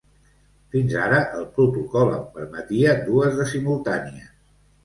Fins ara, el protocol en permetia dues de simultànies.